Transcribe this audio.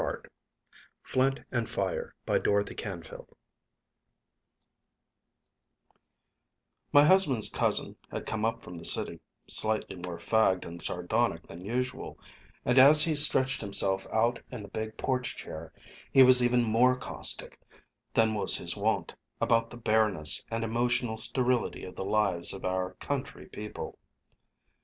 "_ FLINT AND FIRE BY DOROTHY CANFIELD My husband's cousin had come up from the city, slightly more fagged and sardonic than usual, and as he stretched himself out in the big porch chair he was even more caustic than was his wont about the bareness and emotional sterility of the lives of our country people.